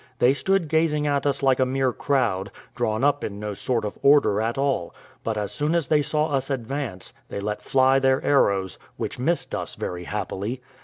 They stood gazing at us like a mere crowd, drawn up in no sort of order at all; but as soon as they saw us advance, they let fly their arrows, which missed us, very happily.